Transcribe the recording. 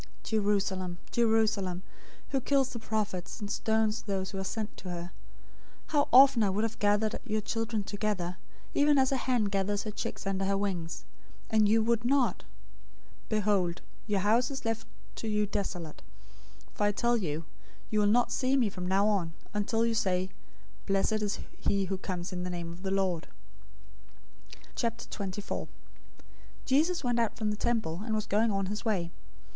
023:037 "Jerusalem, Jerusalem, who kills the prophets, and stones those who are sent to her! How often I would have gathered your children together, even as a hen gathers her chicks under her wings, and you would not! 023:038 Behold, your house is left to you desolate. 023:039 For I tell you, you will not see me from now on, until you say, 'Blessed is he who comes in the name of the Lord!'"{Psalm 118:26} 024:001 Jesus went out from the temple, and was going on his way.